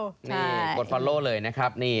ใช่กดฟอร์โล่เลยนะครับ